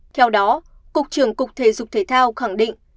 theo đó cục trưởng cục thể dục thể thao khẳng định